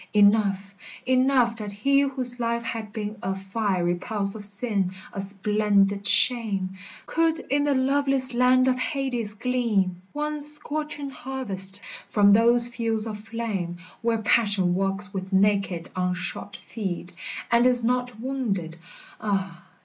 Enough, enough that he whose life had been A fiery pulse of sin, a splendid shame, Could in the loveless land of Hades glean One scorching harvest from those fields of flame Where passion walks with naked unshod feet And is not wounded, — ah